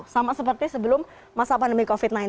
sama seperti sebelum masa pandemi covid sembilan belas